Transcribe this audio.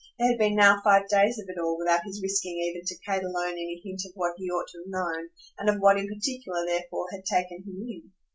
There had been now five days of it all without his risking even to Kate alone any hint of what he ought to have known and of what in particular therefore had taken him in.